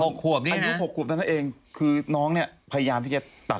หกขวบนี่นะอายุหกขวบนั้นเองคือน้องเนี้ยพยายามที่แกตัด